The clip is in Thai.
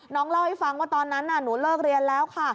เล่าให้ฟังว่าตอนนั้นหนูเลิกเรียนแล้วค่ะ